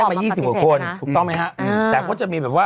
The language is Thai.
ไม่ถูกเห็นเขาก็ลงครับ